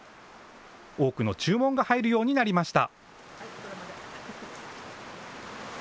多くの注文が入るようになりました。